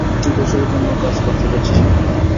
দুই বছরের জন্য কাজ করতে যাচ্ছি সেখানে।